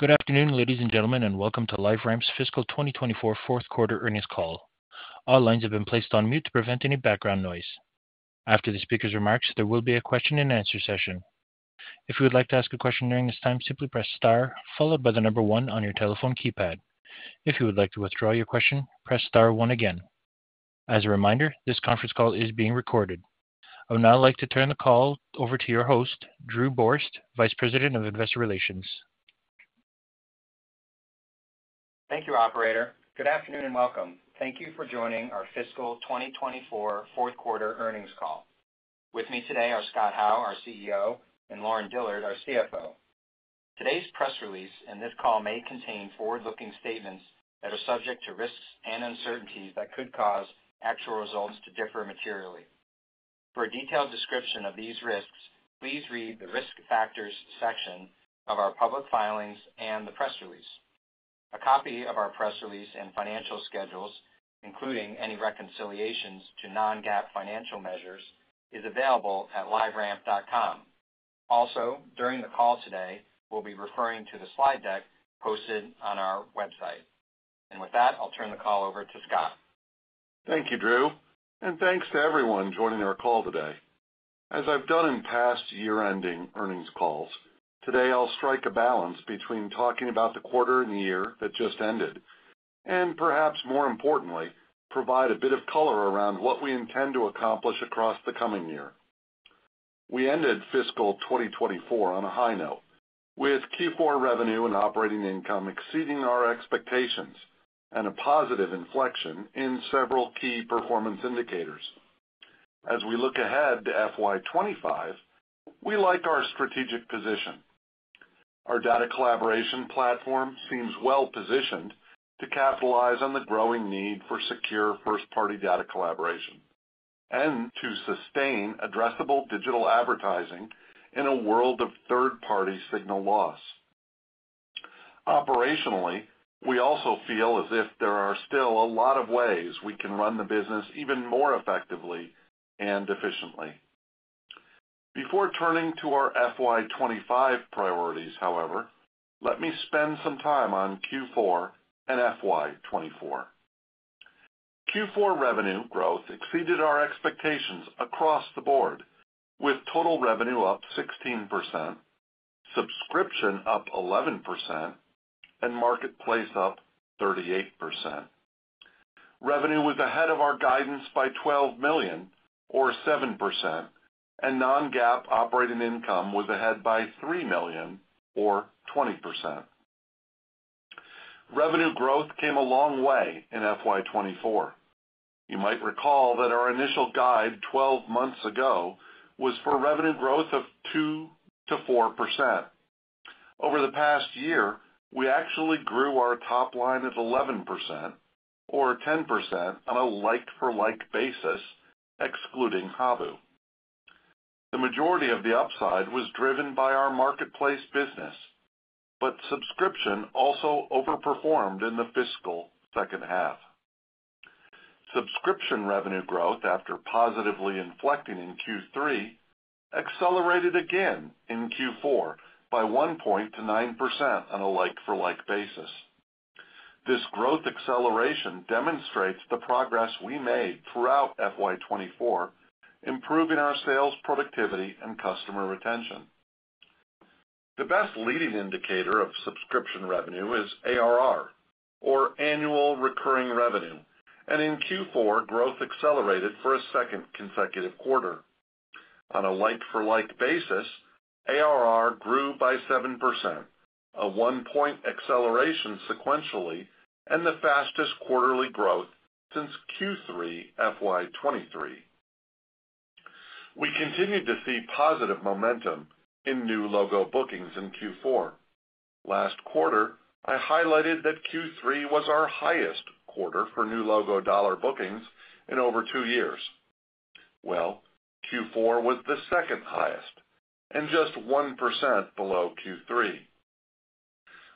Good afternoon, ladies and gentlemen, and welcome to LiveRamp's Fiscal 2024 Fourth Quarter Earnings Call. All lines have been placed on mute to prevent any background noise. After the speaker's remarks, there will be a question-and-answer session. If you would like to ask a question during this time, simply press star followed by the number one on your telephone keypad. If you would like to withdraw your question, press star one again. As a reminder, this conference call is being recorded. I would now like to turn the call over to your host, Drew Borst, Vice President of Investor Relations. Thank you, operator. Good afternoon, and welcome. Thank you for joining our Fiscal 2024 Fourth Quarter Earnings Call. With me today are Scott Howe, our CEO, and Lauren Dillard, our CFO. Today's press release and this call may contain forward-looking statements that are subject to risks and uncertainties that could cause actual results to differ materially. For a detailed description of these risks, please read the Risk Factors section of our public filings and the press release. A copy of our press release and financial schedules, including any reconciliations to non-GAAP financial measures, is available at liveramp.com. Also, during the call today, we'll be referring to the slide deck posted on our website. With that, I'll turn the call over to Scott. Thank you, Drew, and thanks to everyone joining our call today. As I've done in past year-ending earnings calls, today I'll strike a balance between talking about the quarter and the year that just ended, and perhaps more importantly, provide a bit of color around what we intend to accomplish across the coming year. We ended fiscal 2024 on a high note, with Q4 revenue and operating income exceeding our expectations and a positive inflection in several key performance indicators. As we look ahead to FY 2025, we like our strategic position. Our data collaboration platform seems well-positioned to capitalize on the growing need for secure first-party data collaboration and to sustain addressable digital advertising in a world of third-party signal loss. Operationally, we also feel as if there are still a lot of ways we can run the business even more effectively and efficiently. Before turning to our FY 2025 priorities, however, let me spend some time on Q4 and FY 2024. Q4 revenue growth exceeded our expectations across the board, with total revenue up 16%, subscription up 11%, and marketplace up 38%. Revenue was ahead of our guidance by $12 million or 7%, and non-GAAP operating income was ahead by $3 million or 20%. Revenue growth came a long way in FY 2024. You might recall that our initial guide twelve months ago was for revenue growth of 2%-4%. Over the past year, we actually grew our top line at 11% or 10% on a like-for-like basis, excluding Habu. The majority of the upside was driven by our marketplace business, but subscription also overperformed in the fiscal second half. Subscription revenue growth, after positively inflecting in Q3, accelerated again in Q4 by 1 point to 9% on a like-for-like basis. This growth acceleration demonstrates the progress we made throughout FY 2024, improving our sales, productivity, and customer retention. The best leading indicator of subscription revenue is ARR, or annual recurring revenue, and in Q4, growth accelerated for a second consecutive quarter. On a like-for-like basis, ARR grew by 7%, a 1-point acceleration sequentially and the fastest quarterly growth since Q3 FY 2023. We continued to see positive momentum in new logo bookings in Q4. Last quarter, I highlighted that Q3 was our highest quarter for new logo dollar bookings in over two years. Well, Q4 was the second highest and just 1% below Q3.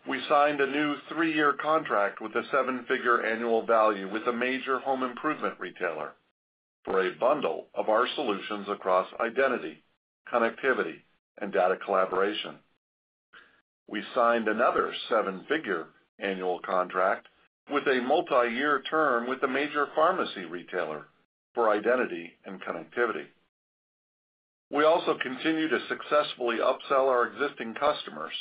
We signed a new three-year contract with a seven-figure annual value with a major home improvement retailer for a bundle of our solutions across identity, connectivity, and data collaboration. We signed another seven-figure annual contract with a multi-year term with a major pharmacy retailer for identity and connectivity. We also continue to successfully upsell our existing customers.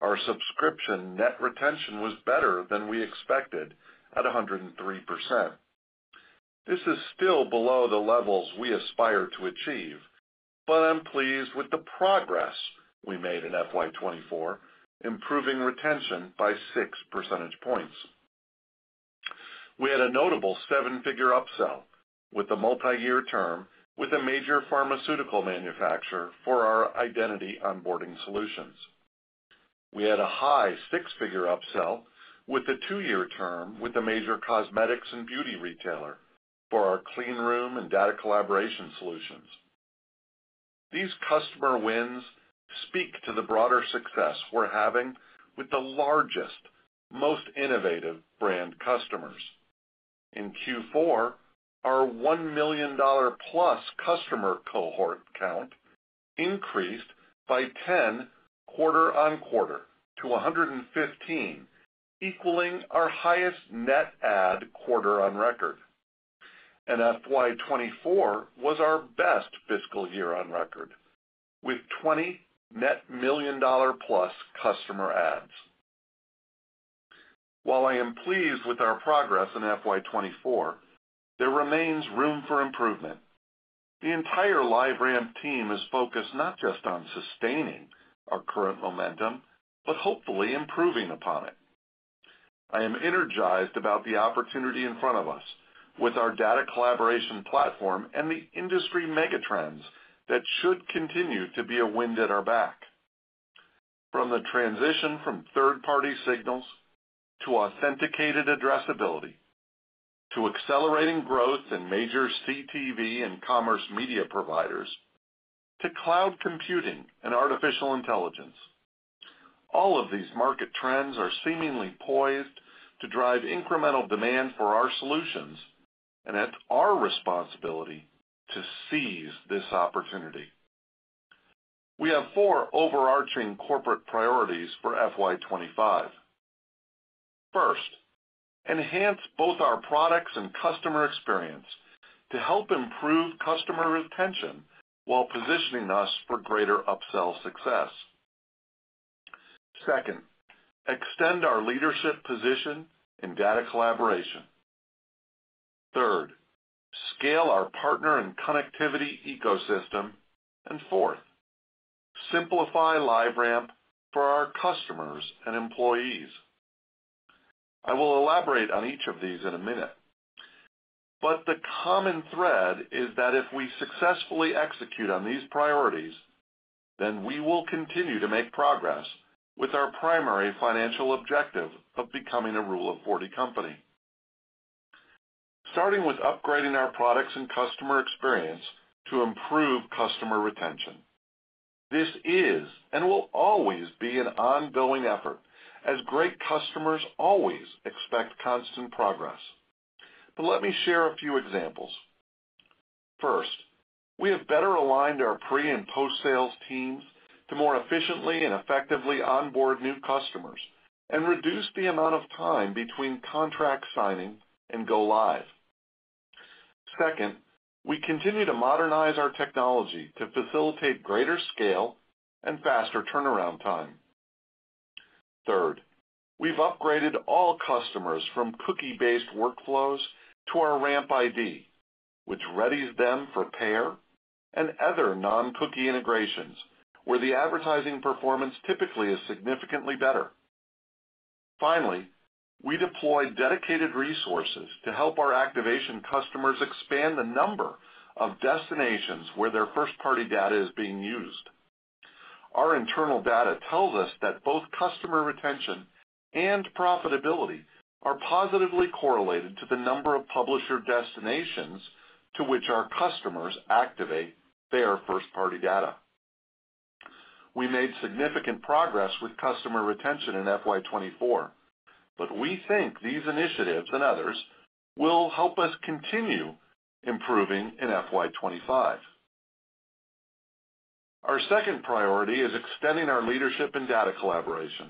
Our subscription net retention was better than we expected at 103%. This is still below the levels we aspire to achieve, but I'm pleased with the progress we made in FY 2024, improving retention by 6 percentage points. We had a notable seven-figure upsell with a multi-year term with a major pharmaceutical manufacturer for our identity onboarding solutions. We had a high six-figure upsell with a 2-year term with a major cosmetics and beauty retailer for our clean room and data collaboration solutions. These customer wins speak to the broader success we're having with the largest, most innovative brand customers.... In Q4, our $1 million plus customer cohort count increased by 10 quarter-over-quarter to 115, equaling our highest net add quarter on record. FY 2024 was our best fiscal year on record, with 20 net $1 million plus customer adds. While I am pleased with our progress in FY 2024, there remains room for improvement. The entire LiveRamp team is focused not just on sustaining our current momentum, but hopefully improving upon it. I am energized about the opportunity in front of us with our data collaboration platform and the industry mega trends that should continue to be a wind at our back. From the transition from third-party signals to authenticated addressability, to accelerating growth in major CTV and commerce media providers, to cloud computing and artificial intelligence, all of these market trends are seemingly poised to drive incremental demand for our solutions, and it's our responsibility to seize this opportunity. We have four overarching corporate priorities for FY 25. First, enhance both our products and customer experience to help improve customer retention while positioning us for greater upsell success. Second, extend our leadership position in data collaboration. Third, scale our partner and connectivity ecosystem. And fourth, simplify LiveRamp for our customers and employees. I will elaborate on each of these in a minute, but the common thread is that if we successfully execute on these priorities, then we will continue to make progress with our primary financial objective of becoming a Rule of 40 company. Starting with upgrading our products and customer experience to improve customer retention. This is and will always be an ongoing effort, as great customers always expect constant progress. But let me share a few examples. First, we have better aligned our pre and post-sales teams to more efficiently and effectively onboard new customers and reduce the amount of time between contract signing and go live. Second, we continue to modernize our technology to facilitate greater scale and faster turnaround time. Third, we've upgraded all customers from cookie-based workflows to our RampID, which readies them for PAIR and other non-cookie integrations, where the advertising performance typically is significantly better. Finally, we deployed dedicated resources to help our activation customers expand the number of destinations where their first-party data is being used. Our internal data tells us that both customer retention and profitability are positively correlated to the number of publisher destinations to which our customers activate their first-party data. We made significant progress with customer retention in FY 2024, but we think these initiatives and others will help us continue improving in FY 2025. Our second priority is extending our leadership in data collaboration.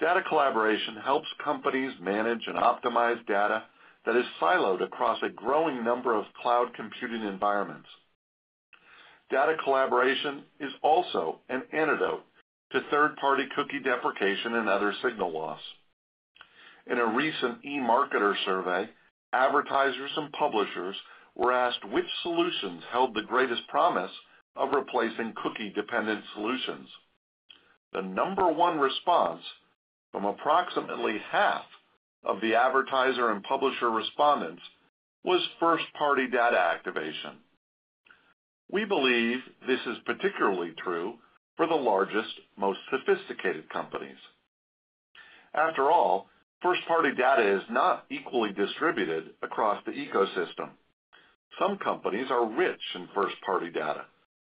Data collaboration helps companies manage and optimize data that is siloed across a growing number of cloud computing environments. Data collaboration is also an antidote to third-party cookie deprecation and other signal loss. In a recent eMarketer survey, advertisers and publishers were asked which solutions held the greatest promise of replacing cookie-dependent solutions. The number one response from approximately half of the advertiser and publisher respondents was first-party data activation. We believe this is particularly true for the largest, most sophisticated companies. After all, first-party data is not equally distributed across the ecosystem. Some companies are rich in first-party data,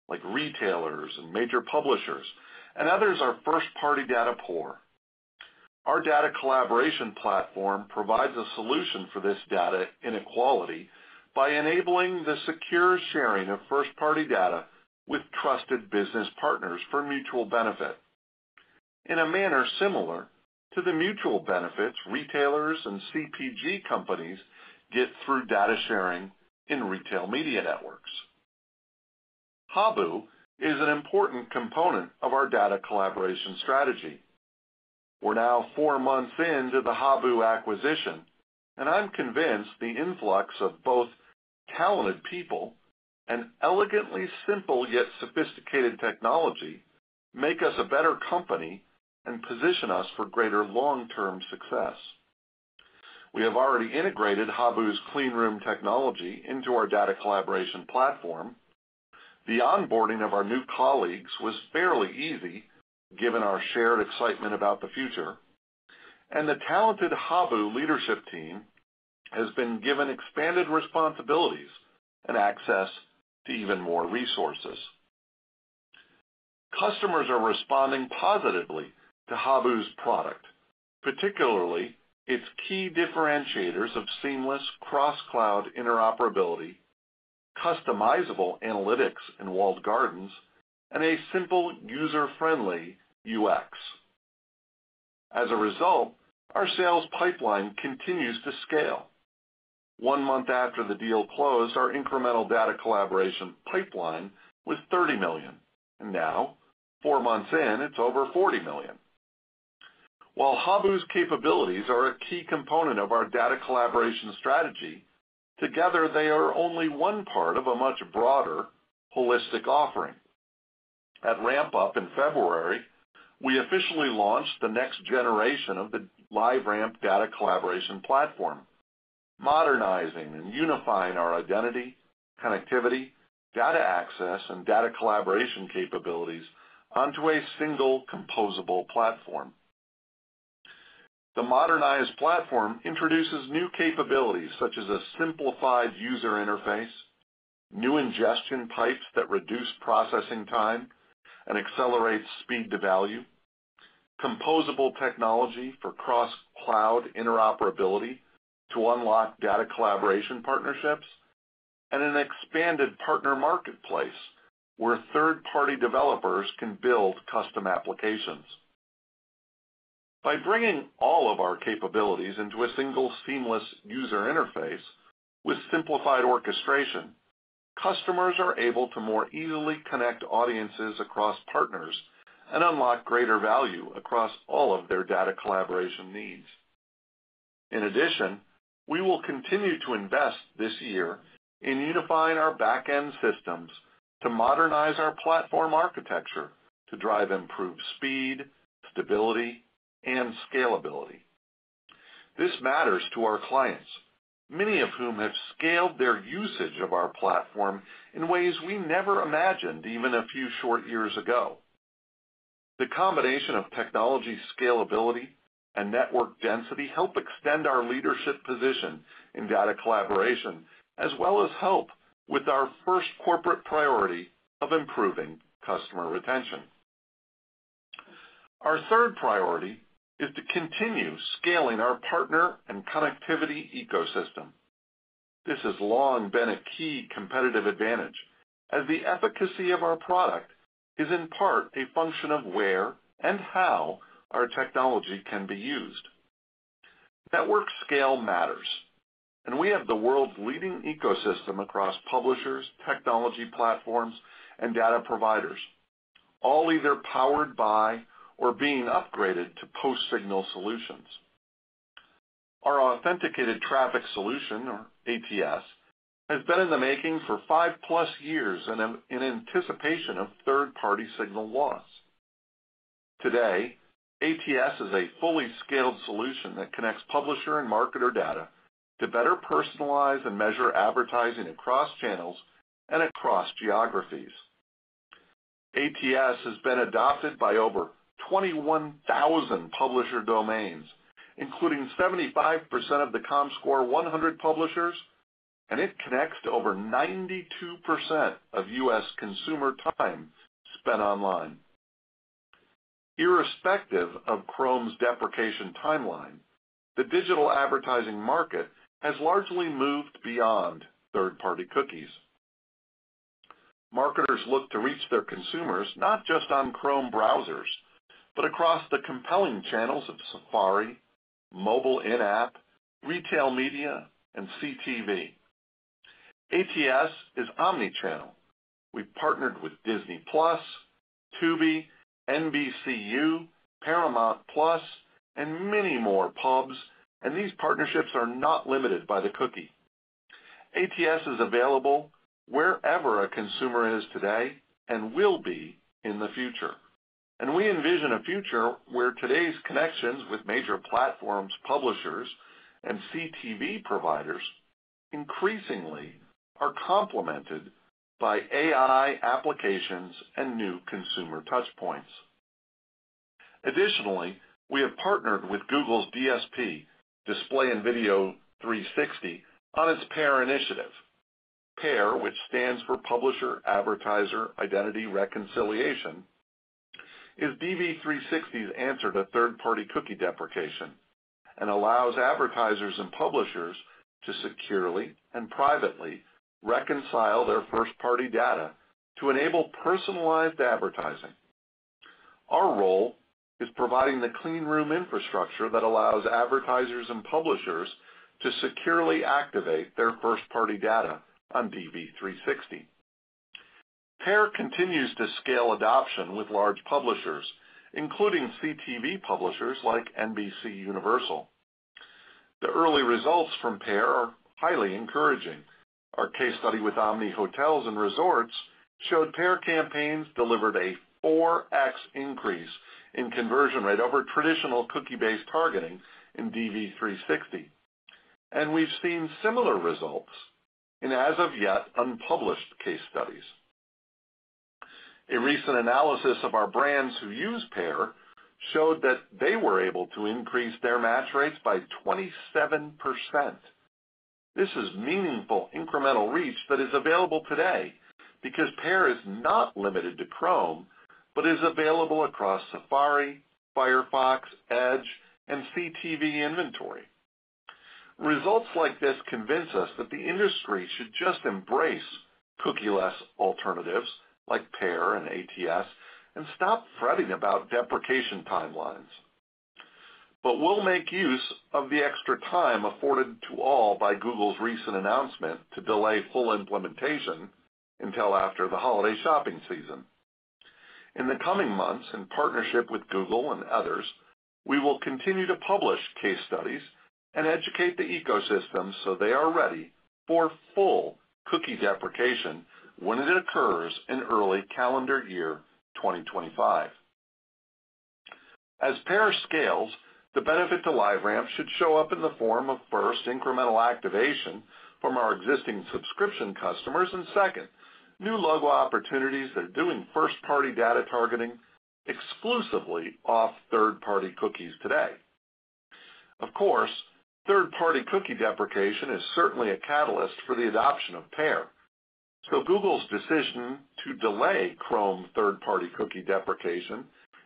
like retailers and major publishers, and others are first-party data poor. Our data collaboration platform provides a solution for this data inequality by enabling the secure sharing of first-party data with trusted business partners for mutual benefit, in a manner similar to the mutual benefits retailers and CPG companies get through data sharing in retail media networks. Habu is an important component of our data collaboration strategy. We're now four months into the Habu acquisition, and I'm convinced the influx of both talented people and elegantly simple, yet sophisticated technology, make us a better company and position us for greater long-term success. We have already integrated Habu's clean room technology into our data collaboration platform. The onboarding of our new colleagues was fairly easy, given our shared excitement about the future, and the talented Habu leadership team has been given expanded responsibilities and access to even more resources. Customers are responding positively to Habu's product, particularly its key differentiators of seamless cross-cloud interoperability, customizable analytics and walled gardens, and a simple, user-friendly UX. As a result, our sales pipeline continues to scale. One month after the deal closed, our incremental data collaboration pipeline was $30 million, and now, four months in, it's over $40 million. While Habu's capabilities are a key component of our data collaboration strategy, together, they are only one part of a much broader, holistic offering. At RampUp in February, we officially launched the next generation of the LiveRamp Data Collaboration Platform, modernizing and unifying our identity, connectivity, data access, and data collaboration capabilities onto a single composable platform. The modernized platform introduces new capabilities, such as a simplified user interface, new ingestion pipes that reduce processing time and accelerate speed to value, composable technology for cross-cloud interoperability to unlock data collaboration partnerships, and an expanded partner marketplace, where third-party developers can build custom applications. By bringing all of our capabilities into a single, seamless user interface with simplified orchestration, customers are able to more easily connect audiences across partners and unlock greater value across all of their data collaboration needs. In addition, we will continue to invest this year in unifying our back-end systems to modernize our platform architecture to drive improved speed, stability, and scalability. This matters to our clients, many of whom have scaled their usage of our platform in ways we never imagined, even a few short years ago. The combination of technology scalability and network density help extend our leadership position in data collaboration, as well as help with our first corporate priority of improving customer retention. Our third priority is to continue scaling our partner and connectivity ecosystem. This has long been a key competitive advantage, as the efficacy of our product is, in part, a function of where and how our technology can be used. Network scale matters, and we have the world's leading ecosystem across publishers, technology platforms, and data providers, all either powered by or being upgraded to post-signal solutions. Our authenticated traffic solution, or ATS, has been in the making for 5+ years in anticipation of third-party signal loss. Today, ATS is a fully scaled solution that connects publisher and marketer data to better personalize and measure advertising across channels and across geographies. ATS has been adopted by over 21,000 publisher domains, including 75% of the Comscore 100 publishers, and it connects to over 92% of US consumer time spent online. Irrespective of Chrome's deprecation timeline, the digital advertising market has largely moved beyond third-party cookies. Marketers look to reach their consumers, not just on Chrome browsers, but across the compelling channels of Safari, mobile in-app, retail media, and CTV. ATS is omni-channel. We've partnered with Disney+, Tubi, NBCU, Paramount+, and many more pubs, and these partnerships are not limited by the cookie. ATS is available wherever a consumer is today and will be in the future, and we envision a future where today's connections with major platforms, publishers, and CTV providers increasingly are complemented by AI applications and new consumer touchpoints. Additionally, we have partnered with Google's DSP, Display & Video 360, on its PAIR initiative. PAIR, which stands for Publisher Advertiser Identity Reconciliation, is DV360's answer to third-party cookie deprecation and allows advertisers and publishers to securely and privately reconcile their first-party data to enable personalized advertising. Our role is providing the clean room infrastructure that allows advertisers and publishers to securely activate their first-party data on DV360. PAIR continues to scale adoption with large publishers, including CTV publishers like NBCUniversal. The early results from PAIR are highly encouraging. Our case study with Omni Hotels & Resorts showed PAIR campaigns delivered a 4x increase in conversion rate over traditional cookie-based targeting in DV360, and we've seen similar results in as of yet unpublished case studies. A recent analysis of our brands who use PAIR showed that they were able to increase their match rates by 27%.... This is meaningful incremental reach that is available today because PAIR is not limited to Chrome, but is available across Safari, Firefox, Edge, and CTV inventory. Results like this convince us that the industry should just embrace cookieless alternatives like PAIR and ATS, and stop fretting about deprecation timelines. But we'll make use of the extra time afforded to all by Google's recent announcement to delay full implementation until after the holiday shopping season. In the coming months, in partnership with Google and others, we will continue to publish case studies and educate the ecosystem so they are ready for full cookie deprecation when it occurs in early calendar year 2025. As PAIR scales, the benefit to LiveRamp should show up in the form of first, incremental activation from our existing subscription customers, and second, new logo opportunities that are doing first-party data targeting exclusively off third-party cookies today. Of course, third-party cookie deprecation is certainly a catalyst for the adoption of PAIR. So Google's decision to delay Chrome third-party cookie deprecation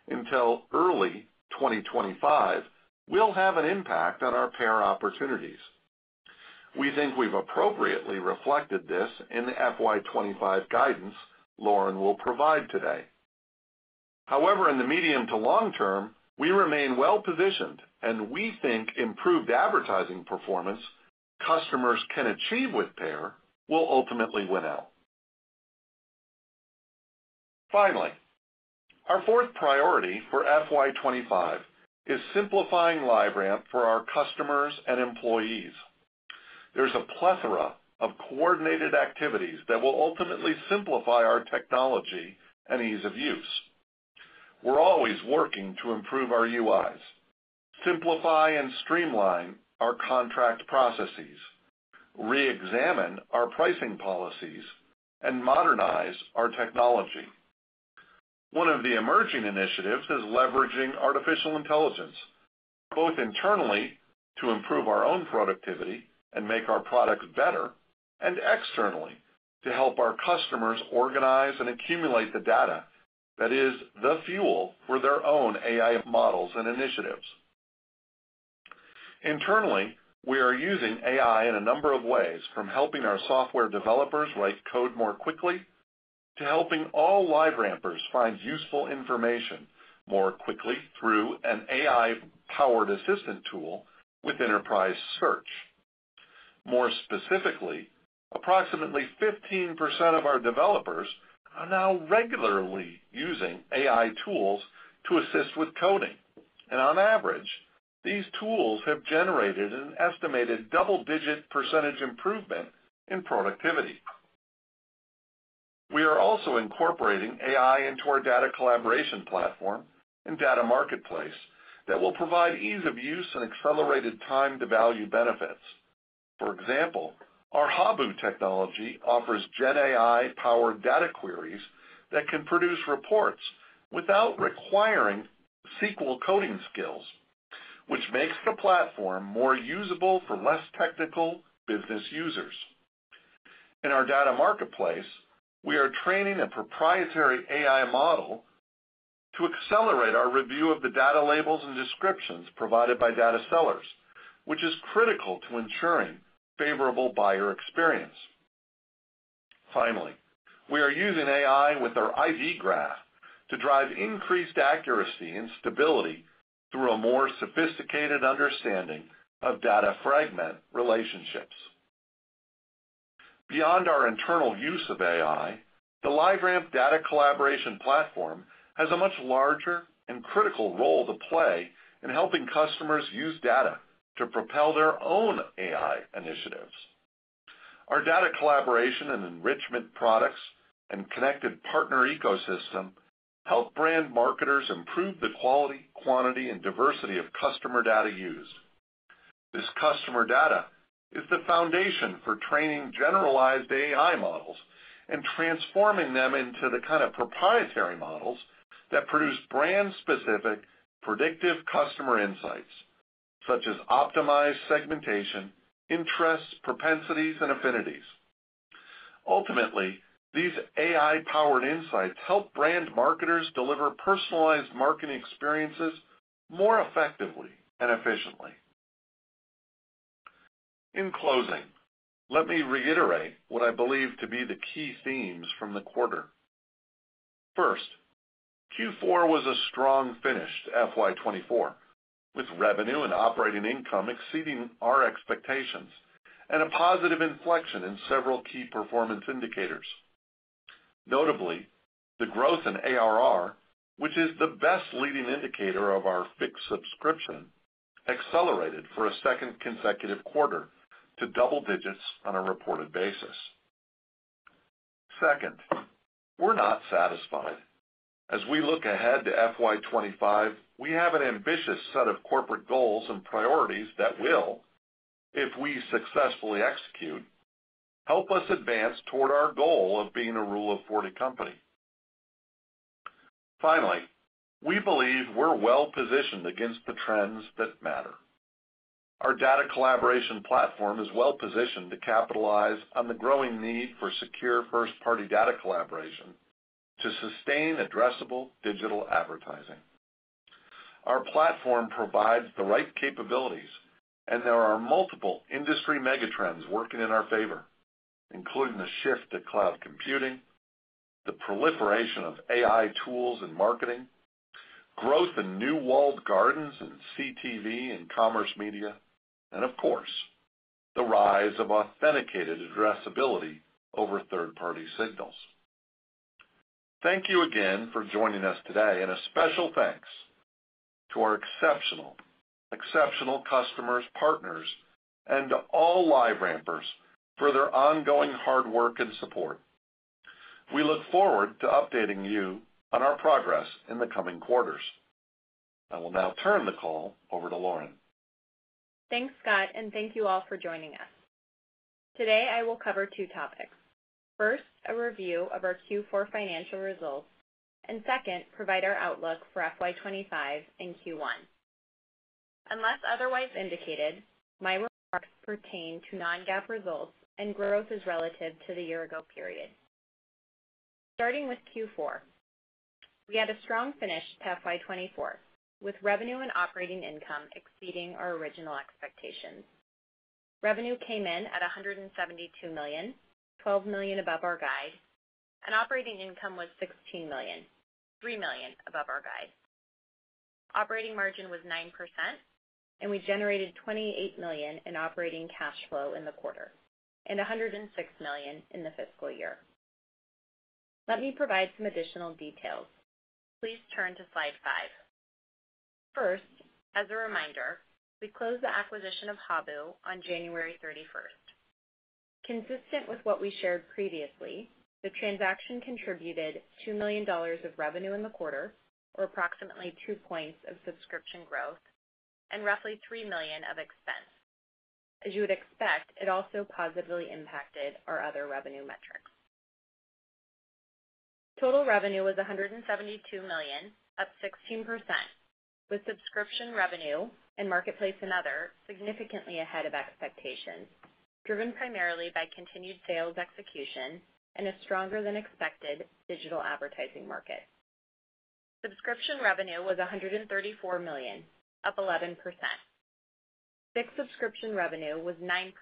until early 2025 will have an impact on our PAIR opportunities. We think we've appropriately reflected this in the FY 2025 guidance Lauren will provide today. However, in the medium to long term, we remain well positioned, and we think improved advertising performance customers can achieve with PAIR will ultimately win out. Finally, our fourth priority for FY 2025 is simplifying LiveRamp for our customers and employees. There's a plethora of coordinated activities that will ultimately simplify our technology and ease of use. We're always working to improve our UIs, simplify and streamline our contract processes, reexamine our pricing policies, and modernize our technology. One of the emerging initiatives is leveraging artificial intelligence, both internally to improve our own productivity and make our products better, and externally to help our customers organize and accumulate the data that is the fuel for their own AI models and initiatives. Internally, we are using AI in a number of ways, from helping our software developers write code more quickly, to helping all LiveRampers find useful information more quickly through an AI-powered assistant tool with enterprise search. More specifically, approximately 15% of our developers are now regularly using AI tools to assist with coding, and on average, these tools have generated an estimated double-digit % improvement in productivity. We are also incorporating AI into our data collaboration platform and data marketplace that will provide ease of use and accelerated time to value benefits. For example, our Habu technology offers GenAI powered data queries that can produce reports without requiring SQL coding skills, which makes the platform more usable for less technical business users. In our data marketplace, we are training a proprietary AI model to accelerate our review of the data labels and descriptions provided by data sellers, which is critical to ensuring favorable buyer experience. Finally, we are using AI with our identity graph to drive increased accuracy and stability through a more sophisticated understanding of data fragment relationships. Beyond our internal use of AI, the LiveRamp Data Collaboration Platform has a much larger and critical role to play in helping customers use data to propel their own AI initiatives. Our data collaboration and enrichment products and connected partner ecosystem help brand marketers improve the quality, quantity, and diversity of customer data used. This customer data is the foundation for training generalized AI models and transforming them into the kind of proprietary models that produce brand-specific, predictive customer insights, such as optimized segmentation, interests, propensities, and affinities. Ultimately, these AI-powered insights help brand marketers deliver personalized marketing experiences more effectively and efficiently. In closing, let me reiterate what I believe to be the key themes from the quarter. First, Q4 was a strong finish to FY 2024, with revenue and operating income exceeding our expectations and a positive inflection in several key performance indicators. Notably, the growth in ARR, which is the best leading indicator of our fixed subscription, accelerated for a second consecutive quarter to double digits on a reported basis. Second, we're not satisfied. As we look ahead to FY 25, we have an ambitious set of corporate goals and priorities that will, if we successfully execute, help us advance toward our goal of being a Rule of 40 company. Finally, we believe we're well-positioned against the trends that matter. Our data collaboration platform is well-positioned to capitalize on the growing need for secure first-party data collaboration to sustain addressable digital advertising. Our platform provides the right capabilities, and there are multiple industry megatrends working in our favor, including the shift to cloud computing, the proliferation of AI tools and marketing, growth in new walled gardens and CTV and commerce media, and of course, the rise of authenticated addressability over third-party signals. Thank you again for joining us today, and a special thanks to our exceptional, exceptional customers, partners, and to all LiveRampers for their ongoing hard work and support. We look forward to updating you on our progress in the coming quarters. I will now turn the call over to Lauren. Thanks, Scott, and thank you all for joining us. Today, I will cover two topics. First, a review of our Q4 financial results, and second, provide our outlook for FY 2025 and Q1. Unless otherwise indicated, my remarks pertain to non-GAAP results, and growth is relative to the year ago period. Starting with Q4, we had a strong finish to FY 2024, with revenue and operating income exceeding our original expectations. Revenue came in at $172 million, $12 million above our guide, and operating income was $16 million, $3 million above our guide. Operating margin was 9%, and we generated $28 million in operating cash flow in the quarter, and $106 million in the fiscal year. Let me provide some additional details. Please turn to slide five. First, as a reminder, we closed the acquisition of Habu on January 31st. Consistent with what we shared previously, the transaction contributed $2 million of revenue in the quarter, or approximately 2 points of subscription growth, and roughly $3 million of expense. As you would expect, it also positively impacted our other revenue metrics. Total revenue was $172 million, up 16%, with subscription revenue, and marketplace and other, significantly ahead of expectations, driven primarily by continued sales execution and a stronger than expected digital advertising market. Subscription revenue was $134 million, up 11%. fixed subscription revenue was 9%,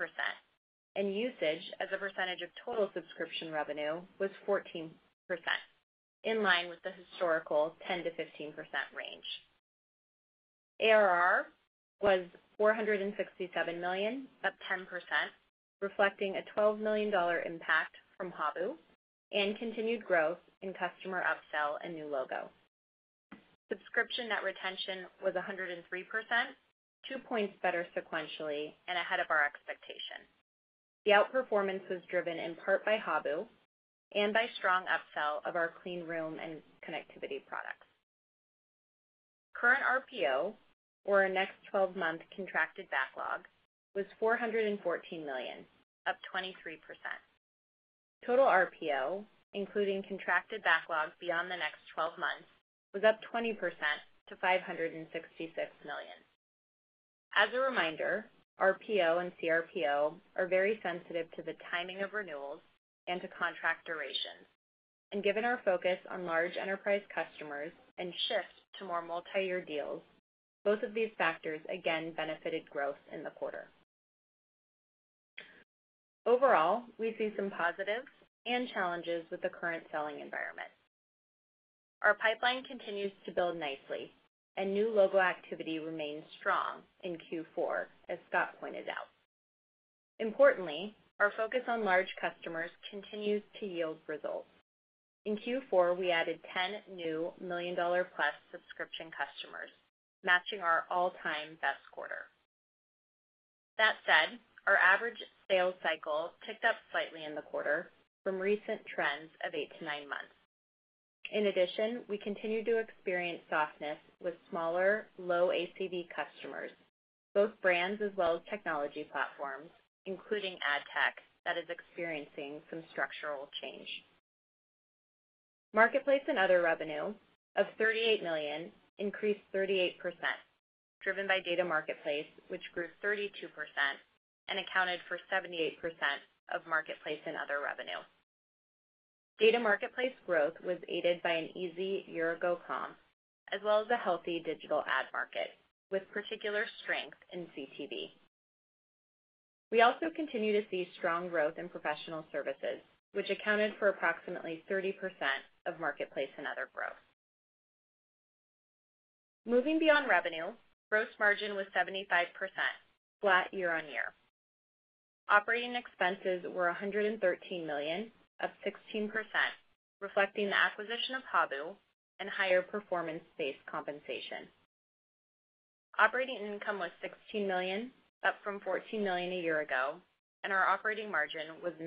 and usage as a percentage of total subscription revenue was 14%, in line with the historical 10%-15% range. ARR was $467 million, up 10%, reflecting a $12 million impact from Habu and continued growth in customer upsell and new logo. Subscription net retention was 103%, 2 points better sequentially and ahead of our expectation. The outperformance was driven in part by Habu and by strong upsell of our clean room and connectivity products. Current RPO, or our next 12-month contracted backlog, was $414 million, up 23%. Total RPO, including contracted backlog beyond the next 12 months, was up 20% to $566 million. As a reminder, RPO and CRPO are very sensitive to the timing of renewals and to contract duration, and given our focus on large enterprise customers and shifts to more multi-year deals, both of these factors again benefited growth in the quarter. Overall, we see some positives and challenges with the current selling environment. Our pipeline continues to build nicely, and new logo activity remains strong in Q4, as Scott pointed out. Importantly, our focus on large customers continues to yield results. In Q4, we added 10 new million-dollar-plus subscription customers, matching our all-time best quarter. That said, our average sales cycle ticked up slightly in the quarter from recent trends of eight-nine months. In addition, we continue to experience softness with smaller, low ACV customers, both brands as well as technology platforms, including ad tech, that is experiencing some structural change. Marketplace and other revenue of $38 million increased 38%, driven by Data Marketplace, which grew 32% and accounted for 78% of marketplace and other revenue. Data Marketplace growth was aided by an easy year ago comp, as well as a healthy digital ad market, with particular strength in CTV. We also continue to see strong growth in professional services, which accounted for approximately 30% of marketplace and other growth. Moving beyond revenue, gross margin was 75%, flat year-on-year. Operating expenses were $113 million, up 16%, reflecting the acquisition of Habu and higher performance-based compensation. Operating income was $16 million, up from $14 million a year ago, and our operating margin was 9%.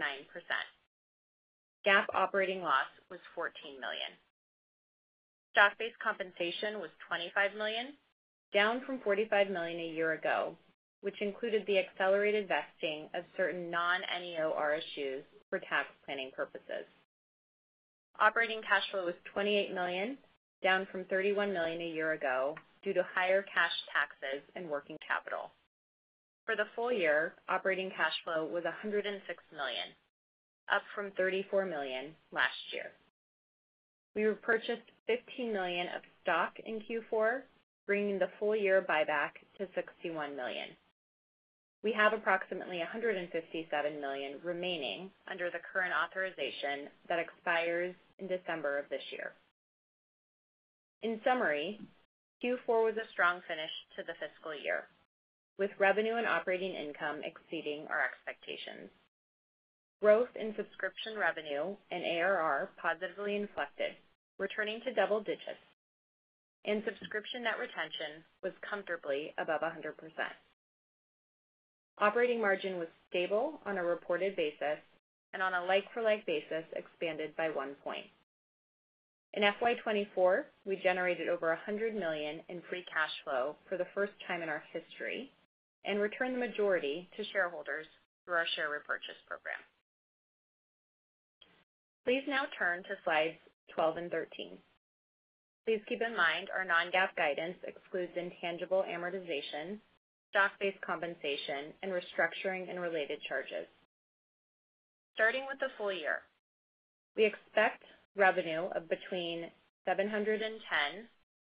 GAAP operating loss was $14 million. Stock-based compensation was $25 million, down from $45 million a year ago, which included the accelerated vesting of certain non-NEO RSUs for tax planning purposes. Operating cash flow was $28 million, down from $31 million a year ago, due to higher cash taxes and working capital. For the full year, operating cash flow was $106 million, up from $34 million last year. We repurchased $15 million of stock in Q4, bringing the full year buyback to $61 million. We have approximately $157 million remaining under the current authorization that expires in December of this year. In summary, Q4 was a strong finish to the fiscal year, with revenue and operating income exceeding our expectations. Growth in subscription revenue and ARR positively inflected, returning to double digits, and subscription net retention was comfortably above 100%. Operating margin was stable on a reported basis, and on a like-for-like basis, expanded by 1 point. In FY 2024, we generated over $100 million in free cash flow for the first time in our history and returned the majority to shareholders through our share repurchase program. Please now turn to slides 12 and 13. Please keep in mind, our non-GAAP guidance excludes intangible amortization, stock-based compensation, and restructuring and related charges. Starting with the full year, we expect revenue of between $710 million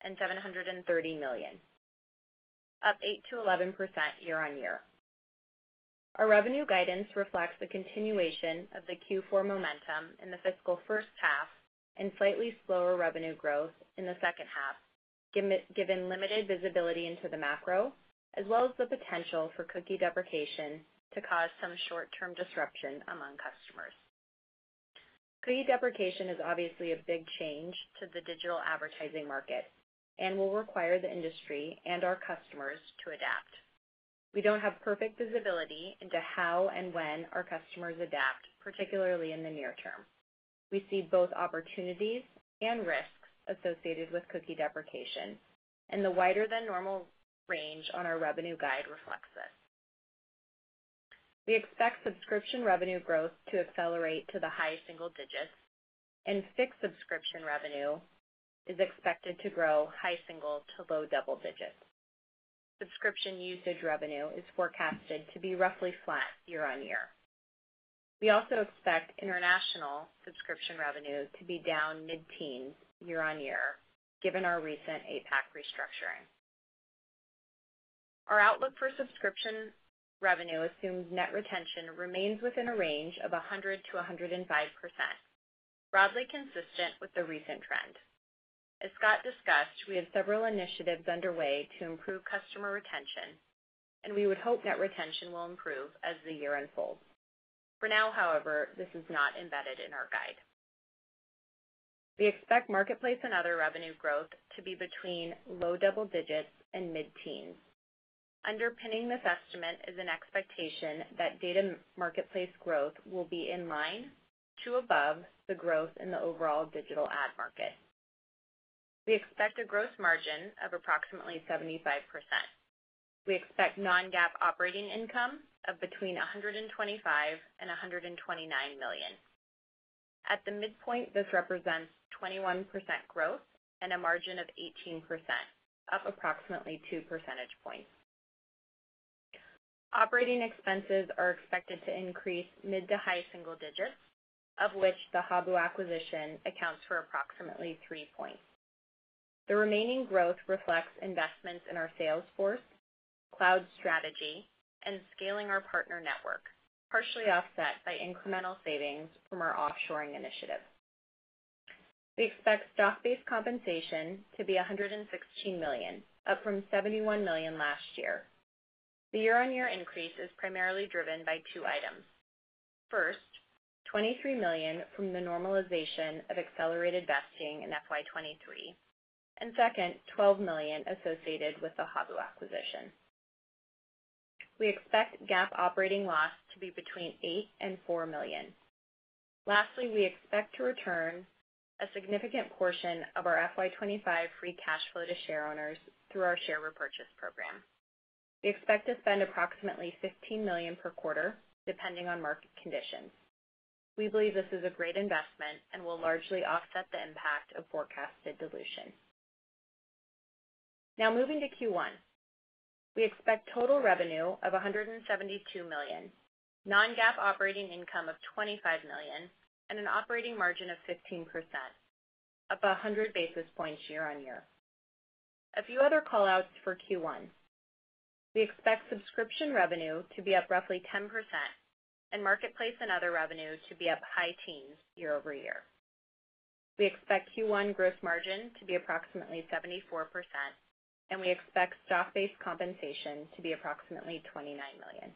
and $730 million, up 8%-11% year-on-year. Our revenue guidance reflects the continuation of the Q4 momentum in the fiscal first half and slightly slower revenue growth in the second half, given limited visibility into the macro, as well as the potential for cookie deprecation to cause some short-term disruption among customers. Cookie deprecation is obviously a big change to the digital advertising market and will require the industry and our customers to adapt. We don't have perfect visibility into how and when our customers adapt, particularly in the near term. We see both opportunities and risks associated with cookie deprecation, and the wider than normal range on our revenue guide reflects this. We expect subscription revenue growth to accelerate to the high single digits, and fixed subscription revenue is expected to grow high single to low double digits. Subscription usage revenue is forecasted to be roughly flat year-on-year. We also expect international subscription revenue to be down mid-teens year-on-year, given our recent APAC restructuring. Our outlook for subscription revenue assumes net retention remains within a range of 100%-105%, broadly consistent with the recent trend. As Scott discussed, we have several initiatives underway to improve customer retention, and we would hope net retention will improve as the year unfolds. For now, however, this is not embedded in our guide. We expect marketplace and other revenue growth to be between low double digits and mid-teens. Underpinning this estimate is an expectation that data marketplace growth will be in line to above the growth in the overall digital ad market. We expect a gross margin of approximately 75%. We expect non-GAAP operating income of between $125 million and $129 million. At the midpoint, this represents 21% growth and a margin of 18%, up approximately two percentage points. Operating expenses are expected to increase mid to high single digits, of which the Habu acquisition accounts for approximately three points. The remaining growth reflects investments in our sales force, cloud strategy, and scaling our partner network, partially offset by incremental savings from our offshoring initiative. We expect stock-based compensation to be $116 million, up from $71 million last year. The year-on-year increase is primarily driven by two items. First, $23 million from the normalization of accelerated vesting in FY 2023, and second, $12 million associated with the Habu acquisition. We expect GAAP operating loss to be between $8 million and $4 million. Lastly, we expect to return a significant portion of our FY 2025 free cash flow to shareowners through our share repurchase program. We expect to spend approximately $15 million per quarter, depending on market conditions. We believe this is a great investment and will largely offset the impact of forecasted dilution. Now moving to Q1. We expect total revenue of $172 million, non-GAAP operating income of $25 million, and an operating margin of 15%, up 100 basis points year-over-year. A few other callouts for Q1. We expect subscription revenue to be up roughly 10% and marketplace and other revenue to be up high teens year-over-year. We expect Q1 gross margin to be approximately 74%, and we expect stock-based compensation to be approximately $29 million.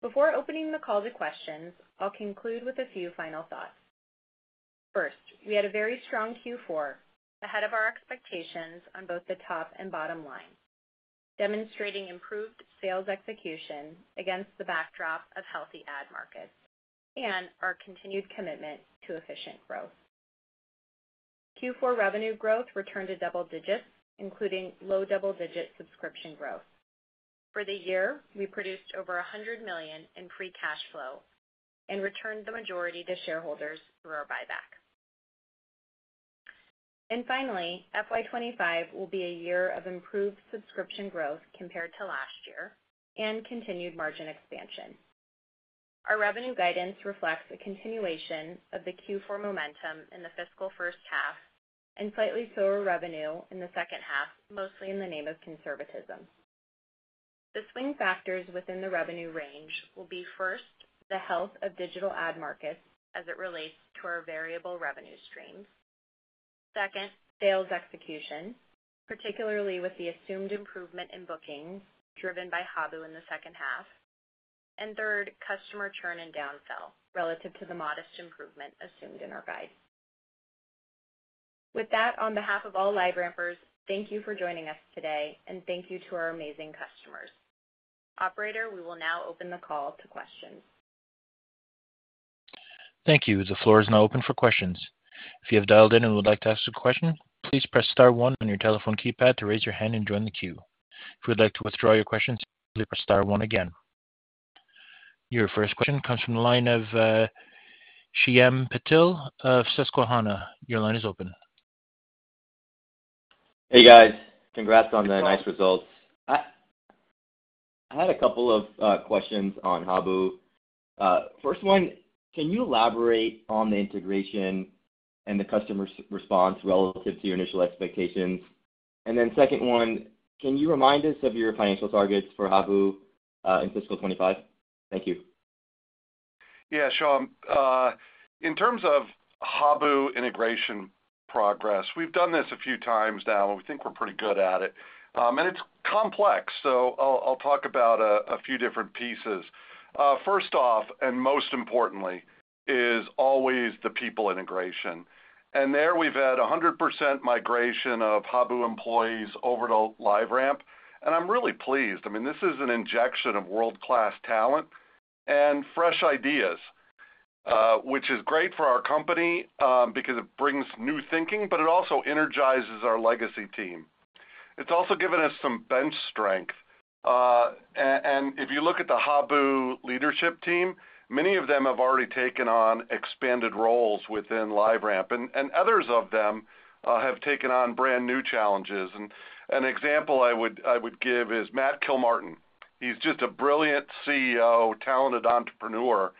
Before opening the call to questions, I'll conclude with a few final thoughts. First, we had a very strong Q4, ahead of our expectations on both the top and bottom line... demonstrating improved sales execution against the backdrop of healthy ad markets and our continued commitment to efficient growth. Q4 revenue growth returned to double digits, including low double-digit subscription growth. For the year, we produced over $100 million in free cash flow and returned the majority to shareholders through our buyback. And finally, FY 2025 will be a year of improved subscription growth compared to last year and continued margin expansion. Our revenue guidance reflects a continuation of the Q4 momentum in the fiscal first half and slightly slower revenue in the second half, mostly in the name of conservatism. The swing factors within the revenue range will be first, the health of digital ad markets as it relates to our variable revenue streams. Second, sales execution, particularly with the assumed improvement in bookings driven by Habu in the second half, and third, customer churn and downsell relative to the modest improvement assumed in our guide. With that, on behalf of all LiveRampers, thank you for joining us today, and thank you to our amazing customers. Operator, we will now open the call to questions. Thank you. The floor is now open for questions. If you have dialed in and would like to ask a question, please press star one on your telephone keypad to raise your hand and join the queue. If you'd like to withdraw your questions, press star one again. Your first question comes from the line of Shyam Patil of Susquehanna. Your line is open. Hey, guys. Congrats on the nice results. I had a couple of questions on Habu. First one, can you elaborate on the integration and the customer response relative to your initial expectations? And then second one, can you remind us of your financial targets for Habu in fiscal 25? Thank you. Yeah, Shyam, in terms of Habu integration progress, we've done this a few times now, and we think we're pretty good at it. And it's complex, so I'll talk about a few different pieces. First off, and most importantly, is always the people integration. And there we've had 100% migration of Habu employees over to LiveRamp, and I'm really pleased. I mean, this is an injection of world-class talent and fresh ideas, which is great for our company, because it brings new thinking, but it also energizes our legacy team. It's also given us some bench strength. And if you look at the Habu leadership team, many of them have already taken on expanded roles within LiveRamp, and others of them have taken on brand new challenges. An example I would give is Matt Kilmartin. He's just a brilliant CEO, talented entrepreneur,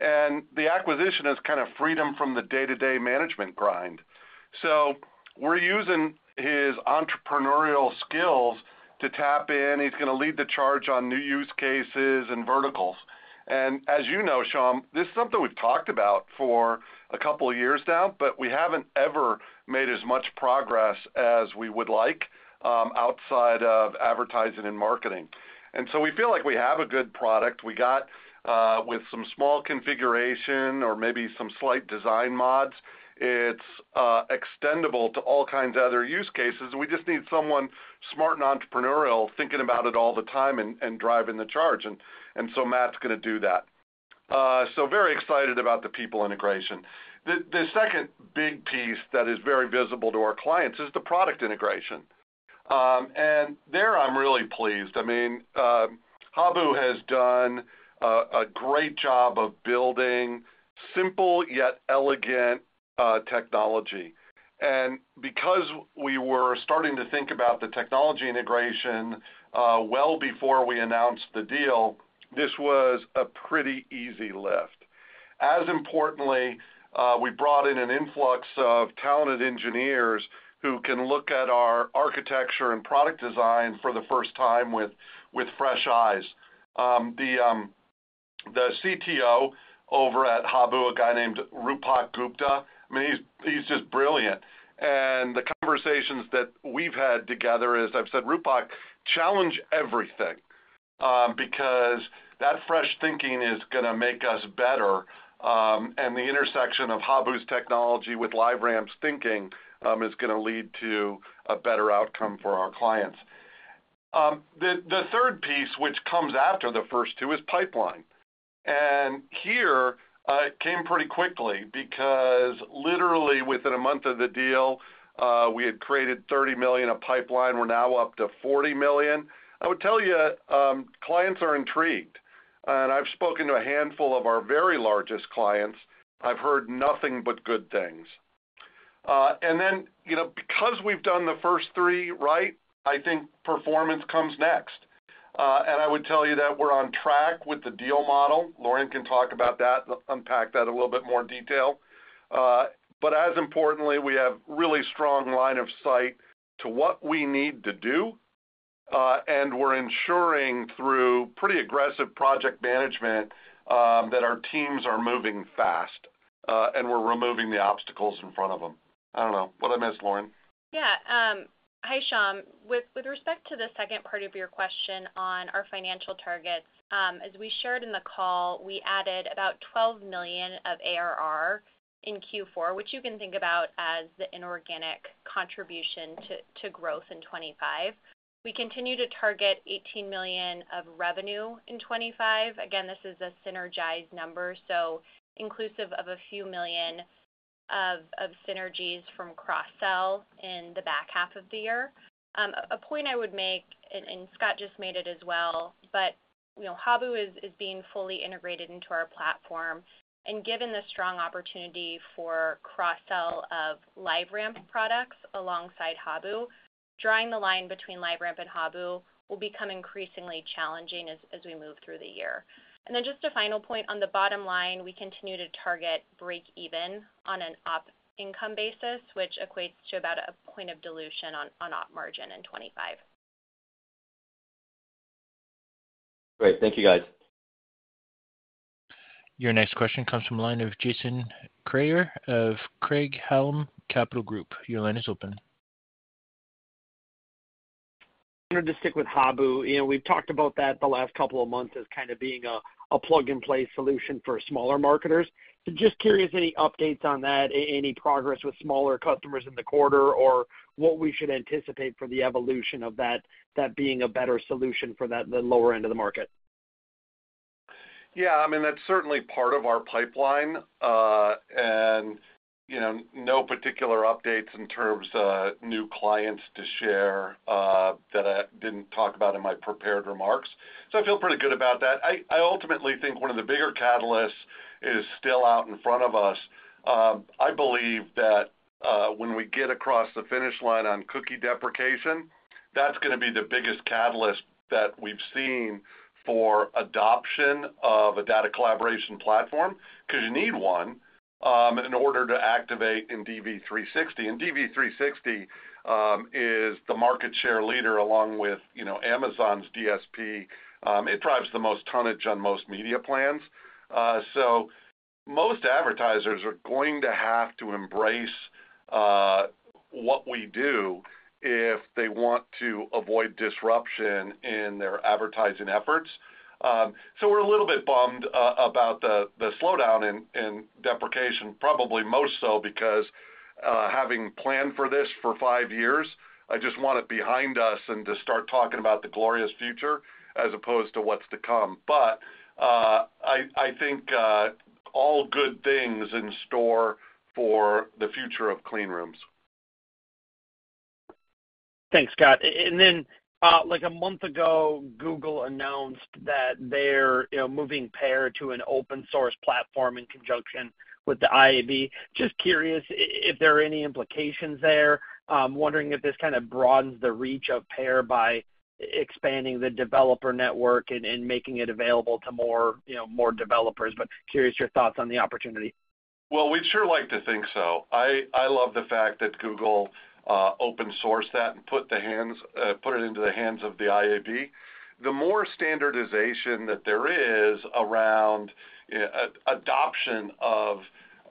and the acquisition has kind of freedom from the day-to-day management grind. So we're using his entrepreneurial skills to tap in. He's gonna lead the charge on new use cases and verticals. And as you know, Shyam, this is something we've talked about for a couple of years now, but we haven't ever made as much progress as we would like outside of advertising and marketing. And so we feel like we have a good product. We got with some small configuration or maybe some slight design mods, it's extendable to all kinds of other use cases. We just need someone smart and entrepreneurial, thinking about it all the time and driving the charge, and so Matt's gonna do that. So very excited about the people integration. The second big piece that is very visible to our clients is the product integration. And there, I'm really pleased. I mean, Habu has done a great job of building simple yet elegant technology. And because we were starting to think about the technology integration, well before we announced the deal, this was a pretty easy lift. As importantly, we brought in an influx of talented engineers who can look at our architecture and product design for the first time with fresh eyes. The CTO over at Habu, a guy named Roopak Gupta, I mean, he's just brilliant. And the conversations that we've had together is I've said, "Roopak, challenge everything," because that fresh thinking is gonna make us better, and the intersection of Habu's technology with LiveRamp's thinking is gonna lead to a better outcome for our clients. The third piece, which comes after the first two, is pipeline. And here, it came pretty quickly because literally within a month of the deal, we had created $30 million of pipeline. We're now up to $40 million. I would tell you, clients are intrigued, and I've spoken to a handful of our very largest clients. I've heard nothing but good things. And then, you know, because we've done the first three right, I think performance comes next. And I would tell you that we're on track with the deal model. Lauren can talk about that, unpack that in a little bit more detail. But as importantly, we have really strong line of sight to what we need to do, and we're ensuring through pretty aggressive project management, that our teams are moving fast, and we're removing the obstacles in front of them. I don't know. What I missed, Lauren? Yeah, hi, Shyam. With respect to the second part of your question on our financial targets, as we shared in the call, we added about $12 million of ARR in Q4, which you can think about as the inorganic contribution to growth in 2025. We continue to target $18 million of revenue in 2025. Again, this is a synergized number, so inclusive of $a few million of synergies from cross-sell in the back half of the year. A point I would make, and Scott just made it as well, but, you know, Habu is being fully integrated into our platform. And given the strong opportunity for cross-sell of LiveRamp products alongside Habu, drawing the line between LiveRamp and Habu will become increasingly challenging as we move through the year. And then just a final point on the bottom line, we continue to target break even on an op income basis, which equates to about a point of dilution on op margin in 2025. Great. Thank you, guys. Your next question comes from the line of Jason Kreyer of Craig-Hallum Capital Group. Your line is open. I wanted to stick with Habu. You know, we've talked about that the last couple of months as kind of being a plug-and-play solution for smaller marketers. So just curious, any updates on that, any progress with smaller customers in the quarter, or what we should anticipate for the evolution of that, that being a better solution for that, the lower end of the market? Yeah, I mean, that's certainly part of our pipeline. And, you know, no particular updates in terms of new clients to share, that I didn't talk about in my prepared remarks, so I feel pretty good about that. I, I ultimately think one of the bigger catalysts is still out in front of us. I believe that, when we get across the finish line on cookie deprecation, that's gonna be the biggest catalyst that we've seen for adoption of a data collaboration platform because you need one, in order to activate in DV360. And DV360, is the market share leader, along with, you know, Amazon's DSP, it drives the most tonnage on most media plans. So most advertisers are going to have to embrace, what we do if they want to avoid disruption in their advertising efforts. So we're a little bit bummed about the slowdown in deprecation, probably most so because having planned for this for five years, I just want it behind us and to start talking about the glorious future as opposed to what's to come. But I think all good things in store for the future of clean rooms. Thanks, Scott. And then, like a month ago, Google announced that they're, you know, moving PAIR to an open source platform in conjunction with the IAB. Just curious if there are any implications there? Wondering if this kind of broadens the reach of PAIR by expanding the developer network and, and making it available to more, you know, more developers, but curious your thoughts on the opportunity. Well, we'd sure like to think so. I love the fact that Google open sourced that and put it into the hands of the IAB. The more standardization that there is around adoption of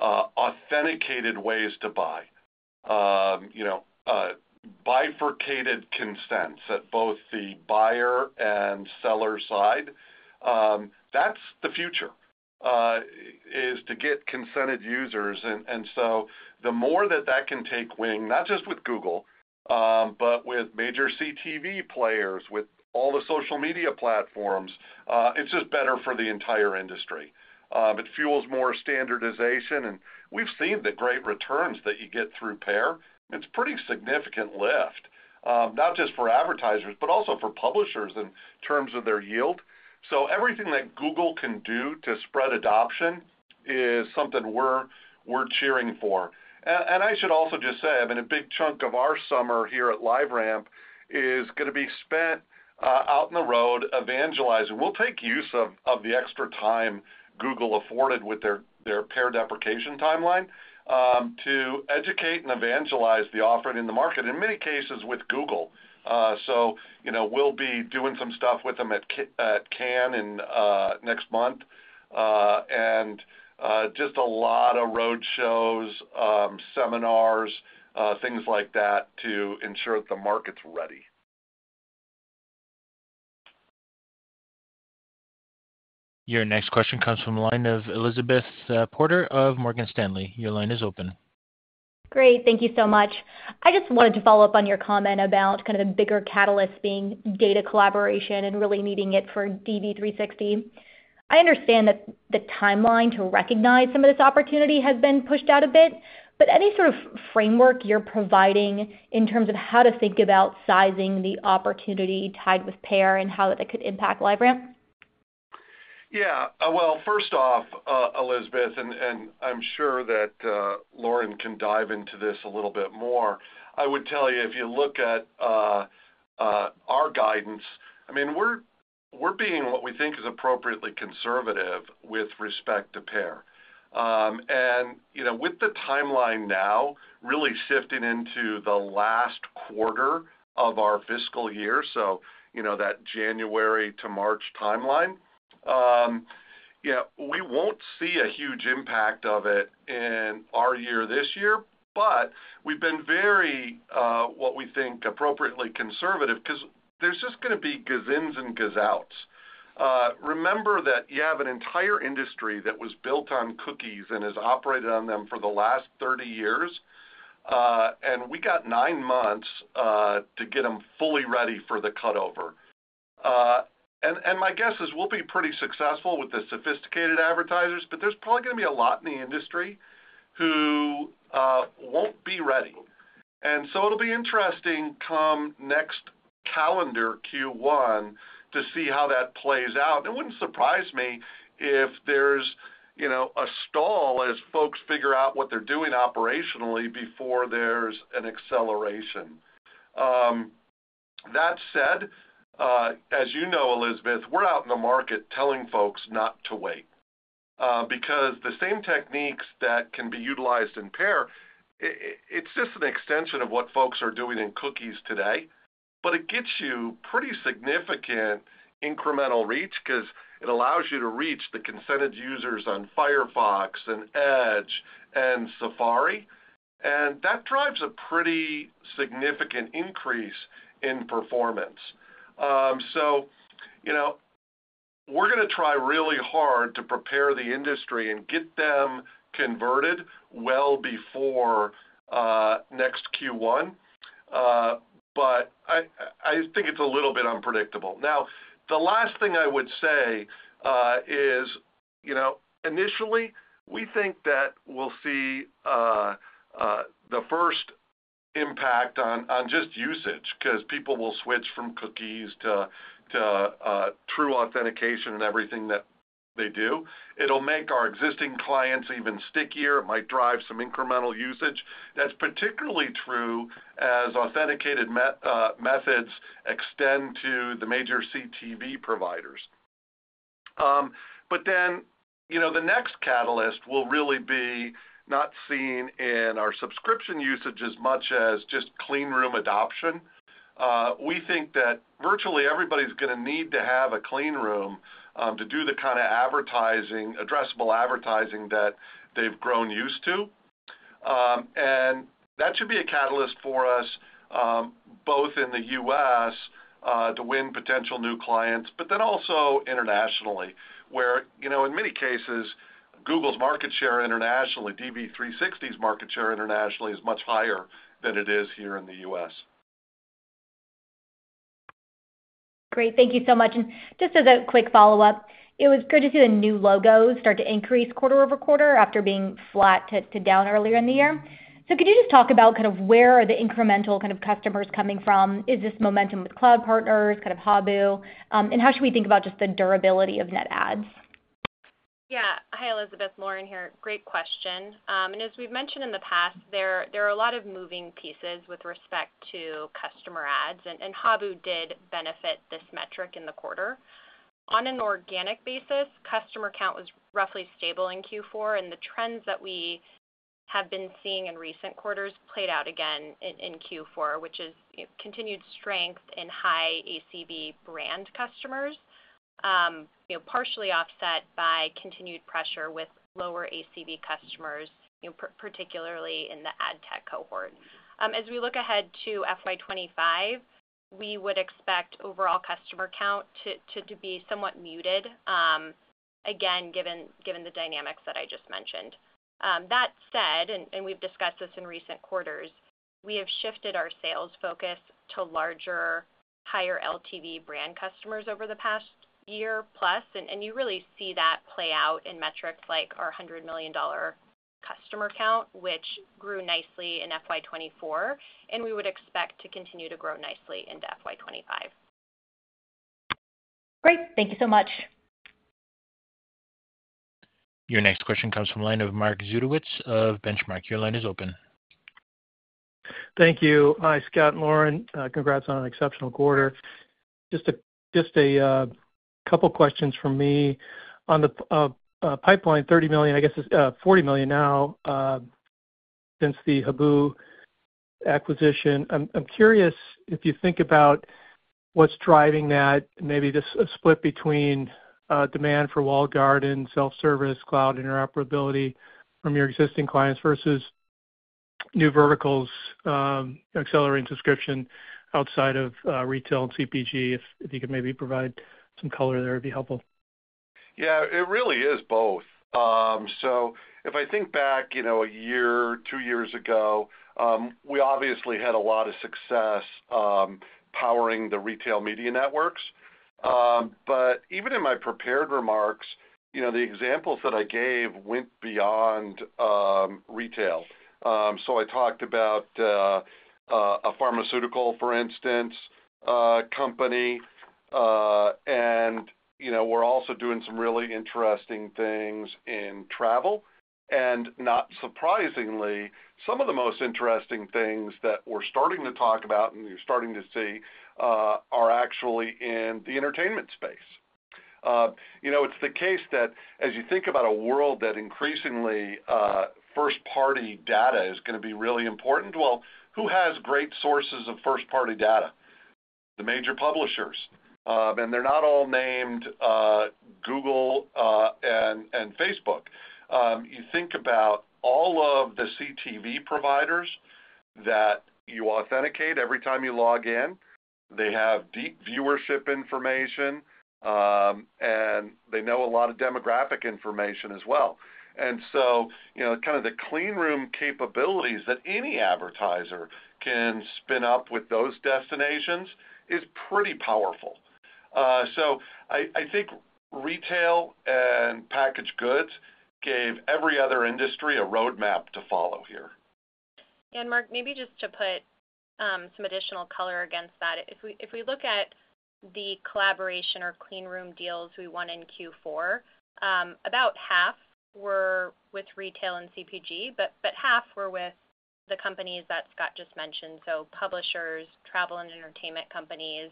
authenticated ways to buy, you know, bifurcated consents at both the buyer and seller side, that's the future is to get consented users. And so the more that that can take wing, not just with Google, but with major CTV players, with all the social media platforms, it's just better for the entire industry. It fuels more standardization, and we've seen the great returns that you get through pair. It's pretty significant lift, not just for advertisers, but also for publishers in terms of their yield. So everything that Google can do to spread adoption is something we're cheering for. And I should also just say, I mean, a big chunk of our summer here at LiveRamp is gonna be spent out on the road evangelizing. We'll take use of the extra time Google afforded with their PAIR deprecation timeline to educate and evangelize the offering in the market, in many cases with Google. So you know, we'll be doing some stuff with them at Cannes in next month. And just a lot of road shows, seminars, things like that to ensure that the market's ready. Your next question comes from the line of Elizabeth Porter of Morgan Stanley. Your line is open. Great. Thank you so much. I just wanted to follow up on your comment about kind of the bigger catalyst being data collaboration and really needing it for DV360. I understand that the timeline to recognize some of this opportunity has been pushed out a bit, but any sort of framework you're providing in terms of how to think about sizing the opportunity tied with PAIR and how that could impact LiveRamp? Yeah. Well, first off, Elizabeth, and I'm sure that Lauren can dive into this a little bit more. I would tell you, if you look at our guidance, I mean, we're being what we think is appropriately conservative with respect to pair. And, you know, with the timeline now really shifting into the last quarter of our fiscal year, so, you know, that January to March timeline... Yeah, we won't see a huge impact of it in our year this year, but we've been very, what we think, appropriately conservative, because there's just gonna be gains and go-outs. Remember that you have an entire industry that was built on cookies and has operated on them for the last 30 years, and we got 9 months to get them fully ready for the cut over. My guess is we'll be pretty successful with the sophisticated advertisers, but there's probably gonna be a lot in the industry who won't be ready. And so it'll be interesting, come next calendar Q1, to see how that plays out. It wouldn't surprise me if there's, you know, a stall as folks figure out what they're doing operationally before there's an acceleration. That said, as you know, Elizabeth, we're out in the market telling folks not to wait, because the same techniques that can be utilized in PAIR, it's just an extension of what folks are doing in cookies today. But it gets you pretty significant incremental reach because it allows you to reach the consented users on Firefox and Edge and Safari, and that drives a pretty significant increase in performance. So you know, we're gonna try really hard to prepare the industry and get them converted well before next Q1. But I think it's a little bit unpredictable. Now, the last thing I would say is, you know, initially, we think that we'll see the first impact on just usage, because people will switch from cookies to true authentication and everything that they do. It'll make our existing clients even stickier. It might drive some incremental usage. That's particularly true as authenticated methods extend to the major CTV providers. But then, you know, the next catalyst will really be not seen in our subscription usage as much as just clean room adoption. We think that virtually everybody's gonna need to have a clean room, to do the kind of advertising, addressable advertising that they've grown used to. That should be a catalyst for us, both in the U.S., to win potential new clients, but then also internationally, where, you know, in many cases, Google's market share internationally, DV360's market share internationally is much higher than it is here in the U.S. Great. Thank you so much. And just as a quick follow-up, it was good to see the new logos start to increase quarter over quarter after being flat to down earlier in the year. So could you just talk about kind of where are the incremental kind of customers coming from? Is this momentum with cloud partners, kind of Habu? And how should we think about just the durability of net adds? Yeah. Hi, Elizabeth, Lauren here. Great question. And as we've mentioned in the past, there are a lot of moving pieces with respect to customer adds, and Habu did benefit this metric in the quarter. On an organic basis, customer count was roughly stable in Q4, and the trends that we have been seeing in recent quarters played out again in Q4, which is, you know, continued strength in high ACV brand customers, you know, partially offset by continued pressure with lower ACV customers, you know, particularly in the ad tech cohort. As we look ahead to FY 2025, we would expect overall customer count to be somewhat muted, again, given the dynamics that I just mentioned. That said, we've discussed this in recent quarters, we have shifted our sales focus to larger, higher LTV brand customers over the past year plus, and you really see that play out in metrics like our $100 million customer count, which grew nicely in FY 2024, and we would expect to continue to grow nicely into FY 2025. Great. Thank you so much. Your next question comes from the line of Mark Zgutowicz of Benchmark. Your line is open. Thank you. Hi, Scott, Lauren, congrats on an exceptional quarter. Just a couple questions from me. On the pipeline, $30 million, I guess it's $40 million now, since the Habu acquisition. I'm curious if you think about what's driving that, maybe just a split between demand for walled garden, self-service, cloud interoperability from your existing clients versus new verticals, accelerating subscription outside of retail and CPG. If you could maybe provide some color there, it'd be helpful. Yeah, it really is both. So if I think back, you know, a year, two years ago, we obviously had a lot of success, powering the retail media networks. But even in my prepared remarks, you know, the examples that I gave went beyond retail. So I talked about a pharmaceutical, for instance, company, and, you know, we're also doing some really interesting things in travel. And not surprisingly, some of the most interesting things that we're starting to talk about and you're starting to see are actually in the entertainment space. You know, it's the case that as you think about a world that increasingly first-party data is gonna be really important, well, who has great sources of first-party data?... the major publishers, and they're not all named Google, and Facebook. You think about all of the CTV providers that you authenticate every time you log in, they have deep viewership information, and they know a lot of demographic information as well. So, you know, kind of the clean room capabilities that any advertiser can spin up with those destinations is pretty powerful. So I think retail and packaged goods gave every other industry a roadmap to follow here. And Mark, maybe just to put some additional color against that. If we look at the collaboration or clean room deals we won in Q4, about half were with retail and CPG, but half were with the companies that Scott just mentioned, so publishers, travel and entertainment companies,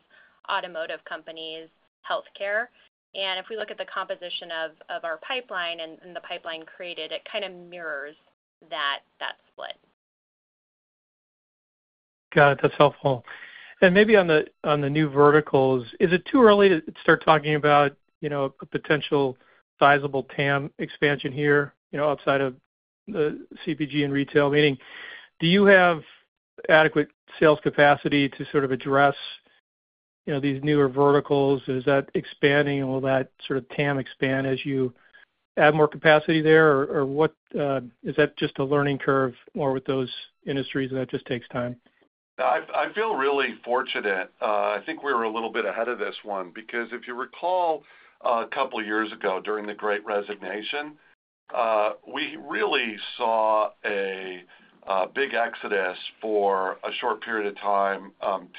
automotive companies, healthcare. And if we look at the composition of our pipeline and the pipeline created, it kind of mirrors that split. Got it. That's helpful. And maybe on the new verticals, is it too early to start talking about, you know, a potential sizable TAM expansion here, you know, outside of the CPG and retail? Meaning, do you have adequate sales capacity to sort of address, you know, these newer verticals? Is that expanding, or will that sort of TAM expand as you add more capacity there? Or, or what? Is that just a learning curve more with those industries, and that just takes time? I feel really fortunate. I think we're a little bit ahead of this one, because if you recall, a couple of years ago, during the Great Resignation, we really saw a big exodus for a short period of time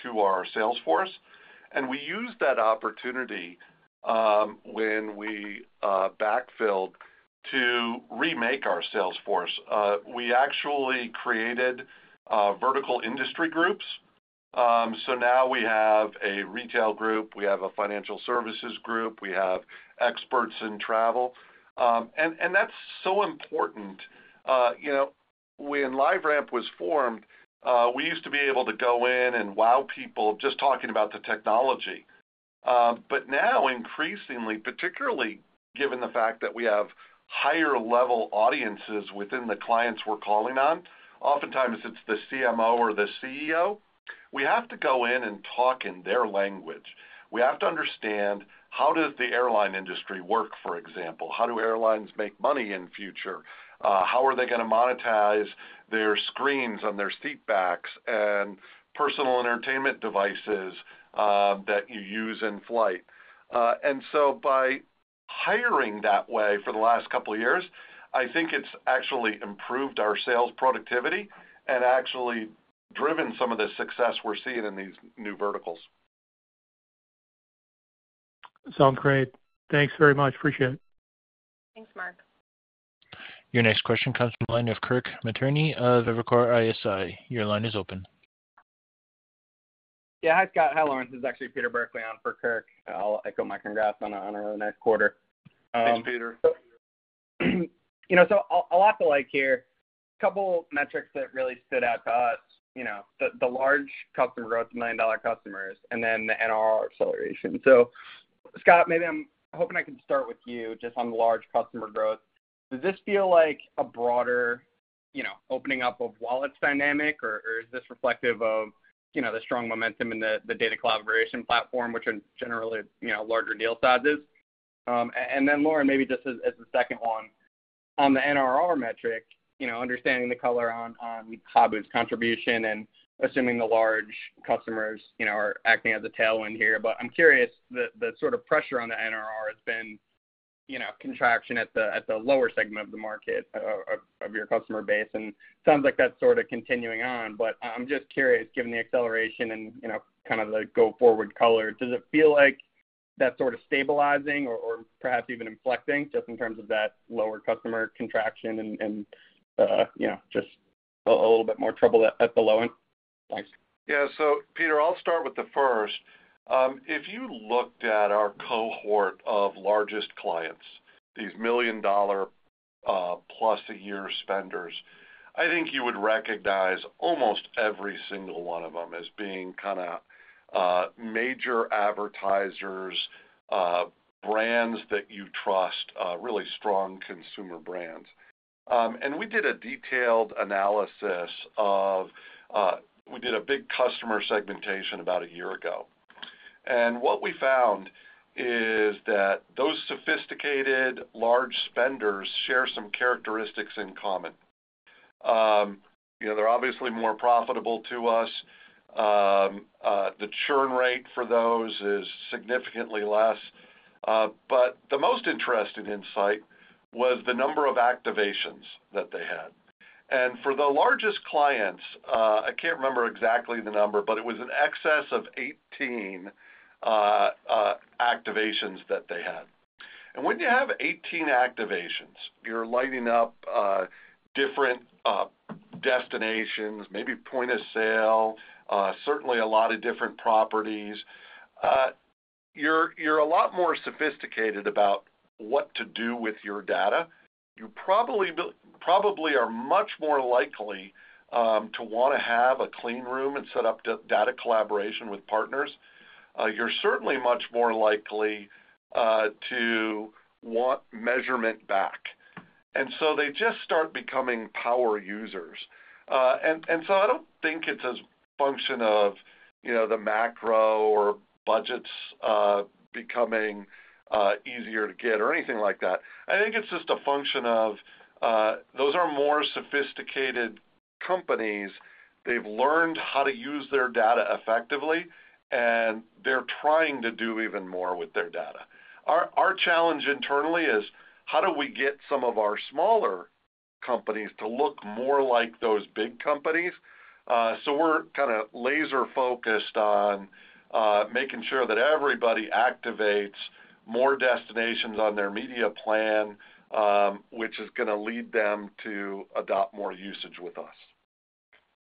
to our sales force. And we used that opportunity, when we backfilled to remake our sales force. We actually created vertical industry groups. So now we have a retail group, we have a financial services group, we have experts in travel. And that's so important. You know, when LiveRamp was formed, we used to be able to go in and wow people just talking about the technology. But now increasingly, particularly given the fact that we have higher level audiences within the clients we're calling on, oftentimes it's the CMO or the CEO, we have to go in and talk in their language. We have to understand, how does the airline industry work, for example? How do airlines make money in future? And so by hiring that way for the last couple of years, I think it's actually improved our sales productivity and actually driven some of the success we're seeing in these new verticals. Sounds great. Thanks very much. Appreciate it. Thanks, Mark. Your next question comes from the line of Kirk Materne of Evercore ISI. Your line is open. Yeah. Hi, Scott. Hi, Lauren. This is actually Peter Burkly on for Kirk. I'll echo my congrats on our next quarter. Thanks, Peter. You know, so a lot to like here. A couple metrics that really stood out to us, you know, the large customer growth, million-dollar customers, and then the NRR acceleration. So Scott, maybe I'm hoping I can start with you just on large customer growth. Does this feel like a broader, you know, opening up of wallets dynamic, or is this reflective of, you know, the strong momentum in the data collaboration platform, which are generally, you know, larger deal sizes? And then, Lauren, maybe just as a second one, on the NRR metric, you know, understanding the color on Habu's contribution and assuming the large customers, you know, are acting as a tailwind here. But I'm curious, the sort of pressure on the NRR has been, you know, contraction at the lower segment of the market, of your customer base, and sounds like that's sort of continuing on. But I'm just curious, given the acceleration and, you know, kind of the go-forward color, does it feel like that's sort of stabilizing or, or perhaps even inflecting, just in terms of that lower customer contraction and, you know, just a little bit more trouble at the low end? Thanks. Yeah. So Peter, I'll start with the first. If you looked at our cohort of largest clients, these $1 million-plus a year spenders, I think you would recognize almost every single one of them as being kind of major advertisers, brands that you trust, really strong consumer brands. And we did a detailed analysis of—we did a big customer segmentation about a year ago, and what we found is that those sophisticated large spenders share some characteristics in common. You know, they're obviously more profitable to us. The churn rate for those is significantly less. But the most interesting insight was the number of activations that they had. And for the largest clients, I can't remember exactly the number, but it was in excess of 18 activations that they had. And when you have 18 activations, you're lighting up different destinations, maybe point of sale, certainly a lot of different properties. You're a lot more sophisticated about what to do with your data. You probably are much more likely to wanna have a clean room and set up data collaboration with partners. You're certainly much more likely to want measurement back. And so they just start becoming power users. And so I don't think it's a function of, you know, the macro or budgets becoming easier to get or anything like that. I think it's just a function of those are more sophisticated companies. They've learned how to use their data effectively, and they're trying to do even more with their data. Our challenge internally is: how do we get some of our smaller companies to look more like those big companies? So we're kinda laser-focused on making sure that everybody activates more destinations on their media plan, which is gonna lead them to adopt more usage with us.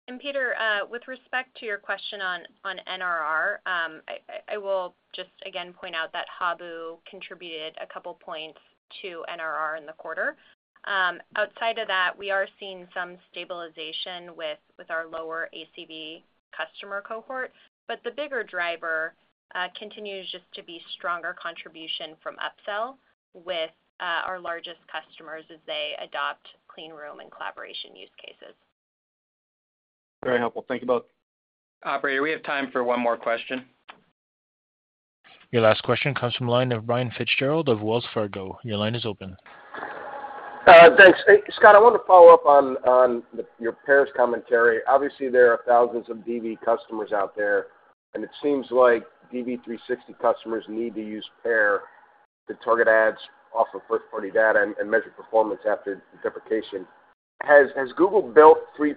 And Peter, with respect to your question on NRR, I will just again point out that Habu contributed a couple points to NRR in the quarter. Outside of that, we are seeing some stabilization with our lower ACV customer cohort, but the bigger driver continues just to be stronger contribution from upsell with our largest customers as they adopt clean room and collaboration use cases. Very helpful. Thank you both. Operator, we have time for one more question. Your last question comes from the line of Brian Fitzgerald of Wells Fargo. Your line is open. Thanks. Hey, Scott, I wanted to follow up on your PAIR commentary. Obviously, there are thousands of DV customers out there, and it seems like DV360 customers need to use PAIR to target ads off of first-party data and measure performance after deprecation. Has Google built free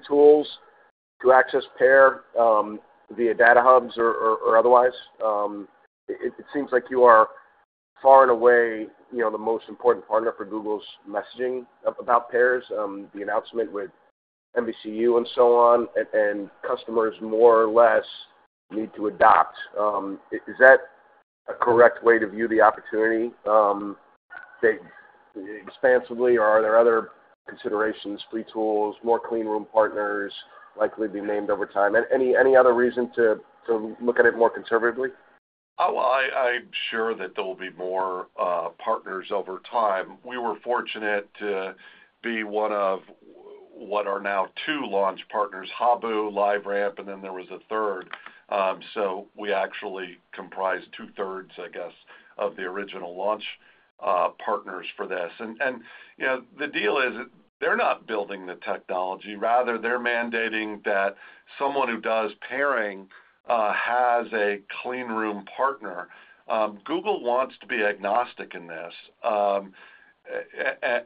tools to access PAIR via data hubs or otherwise? It seems like you are far and away, you know, the most important partner for Google's messaging about PAIR. The announcement with NBCU and so on, and customers more or less need to adopt. Is that a correct way to view the opportunity expansively, or are there other considerations, free tools, more clean room partners likely to be named over time? Any other reason to look at it more conservatively? Well, I'm sure that there will be more partners over time. We were fortunate to be one of what are now two launch partners, Habu, LiveRamp, and then there was a third. So we actually comprised two-thirds, I guess, of the original launch partners for this. And, you know, the deal is, they're not building the technology, rather they're mandating that someone who does pairing has a clean room partner. Google wants to be agnostic in this.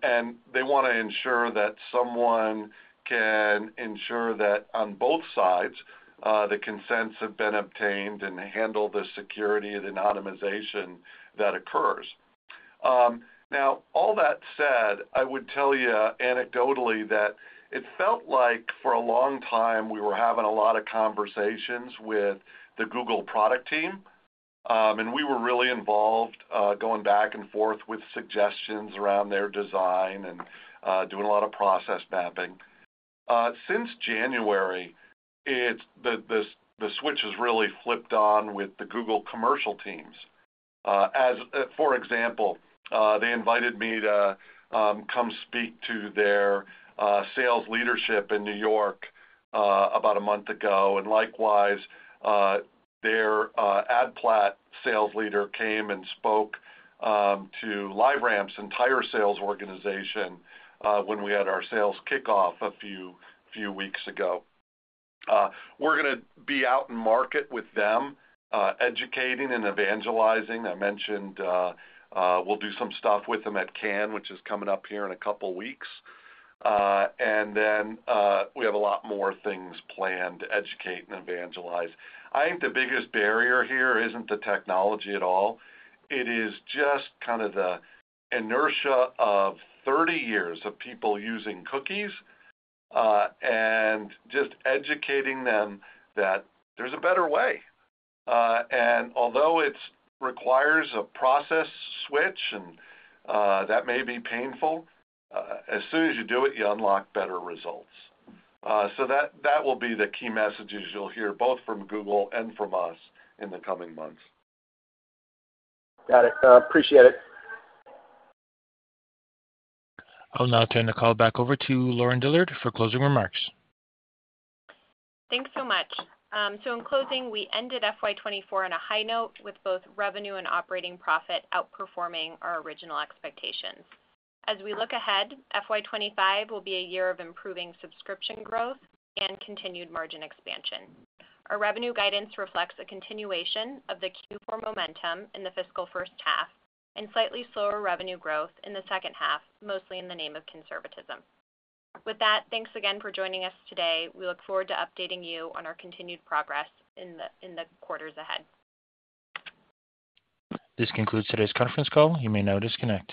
And they wanna ensure that someone can ensure that on both sides, the consents have been obtained and handle the security and anonymization that occurs. Now, all that said, I would tell you anecdotally that it felt like for a long time, we were having a lot of conversations with the Google product team, and we were really involved, going back and forth with suggestions around their design and, doing a lot of process mapping. Since January, it's the switch has really flipped on with the Google commercial teams. As for example, they invited me to come speak to their sales leadership in New York about a month ago, and likewise, their ad platform sales leader came and spoke to LiveRamp's entire sales organization when we had our sales kickoff a few weeks ago. We're gonna be out in market with them, educating and evangelizing. I mentioned, we'll do some stuff with them at Cannes, which is coming up here in a couple of weeks. And then, we have a lot more things planned to educate and evangelize. I think the biggest barrier here isn't the technology at all. It is just kind of the inertia of 30 years of people using cookies, and just educating them that there's a better way. And although it's requires a process switch, and, that may be painful, as soon as you do it, you unlock better results. So that, that will be the key messages you'll hear, both from Google and from us in the coming months. Got it. Appreciate it. I'll now turn the call back over to Lauren Dillard for closing remarks. Thanks so much. So in closing, we ended FY 2024 on a high note, with both revenue and operating profit outperforming our original expectations. As we look ahead, FY 2025 will be a year of improving subscription growth and continued margin expansion. Our revenue guidance reflects a continuation of the Q4 momentum in the fiscal first half and slightly slower revenue growth in the second half, mostly in the name of conservatism. With that, thanks again for joining us today. We look forward to updating you on our continued progress in the quarters ahead. This concludes today's conference call. You may now disconnect.